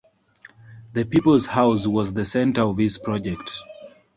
The People's House was the center of this project.